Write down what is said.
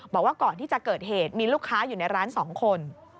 บอกว่าก่อนที่จะเกิดเหตุมีลูกค้าอยู่ในร้าน๒คน